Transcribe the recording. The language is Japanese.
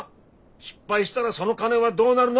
失敗したらその金はどうなるの？